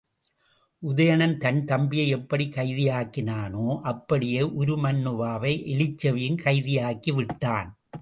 உதயணன் தன் தம்பியை எப்படிக் கைதியாக்கினானோ அப்படியே உருமண்ணுவாவை எலிச்செவியும் கைதியாக்கி விட்டான்.